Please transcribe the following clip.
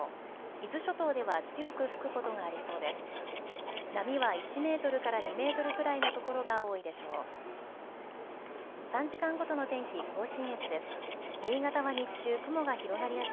伊豆諸島では強く吹くことがありそうです。